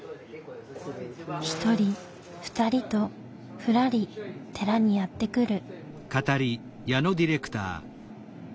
１人２人とふらり寺にやって来る。